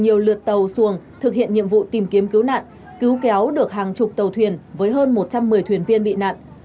nhiều lượt tàu xuồng thực hiện nhiệm vụ tìm kiếm cứu nạn cứu kéo được hàng chục tàu thuyền với hơn một trăm một mươi thuyền viên bị nạn